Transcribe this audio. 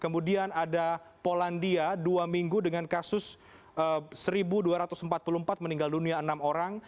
kemudian ada polandia dua minggu dengan kasus satu dua ratus empat puluh empat meninggal dunia enam orang